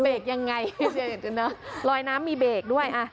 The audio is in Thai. เบรกยังไงลอยน้ำมีเบรกด้วย